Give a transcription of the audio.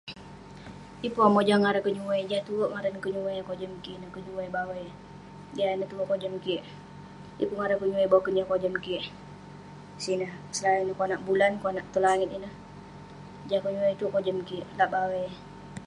Yeng pun akouk mojam ngaran kenyuai. Jah tue ngaran kenyuai eh kojam kik ineh, kenyuai bawai. Jah ineh yah kojam kik, yeng pun ngaran kenyuai boken yah kojam kik sineh. Selain konak bulan, konak maten langit ineh. Jah kenyuai tue kojam kik, lak bawai.